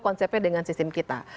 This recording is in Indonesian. konsepnya dengan sistem kita